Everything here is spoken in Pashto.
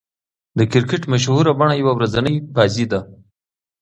د کرکټ مشهوره بڼه يوه ورځنۍ بازي ده.